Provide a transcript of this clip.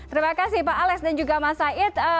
terima kasih pak alex dan juga mas said